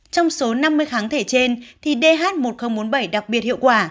trong số năm mươi kháng thể trên thì dh một nghìn bốn mươi bảy đặc biệt hiệu quả